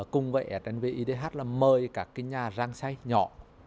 cùng với s v idh là mời cả cái nhà rang xay nhỏ